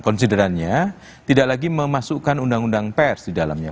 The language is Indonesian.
konsiderannya tidak lagi memasukkan undang undang pers di dalamnya